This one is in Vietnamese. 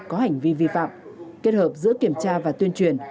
có hành vi vi phạm kết hợp giữa kiểm tra và tuyên truyền